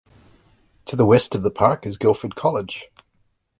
To the west of the park is Guildford College.